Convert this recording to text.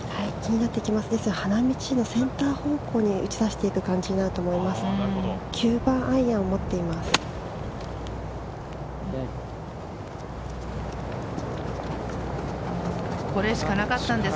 花道のセンター方向に打ち出していく感じになると思います。